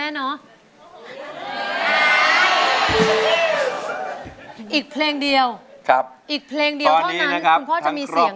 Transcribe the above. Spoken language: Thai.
อีกเพลงเดียวเพราะฉะนั้นคุณพ่อจะมีเสียงแล้วนะ